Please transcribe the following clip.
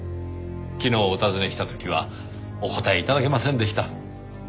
昨日お尋ねした時はお答え頂けませんでした。